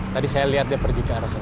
tadi saya lihat dia pergi ke arah sana